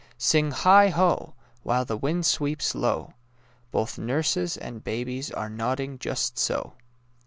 Sing Heigh ho! while the wind sweeps low, Both nurses and babies are nodding— just so.